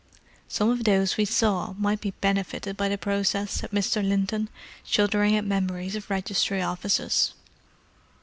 "Some of those we saw might be benefited by the process," said Mr. Linton, shuddering at memories of registry offices.